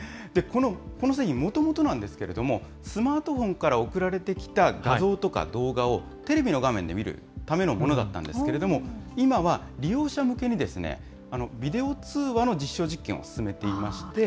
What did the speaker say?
この製品、もともと、スマートフォンから送られてきた画像とか動画を、テレビの画面で見るためのものだったんですけれども、今は利用者向けに、ビデオ通話の実証実験を進めていまして。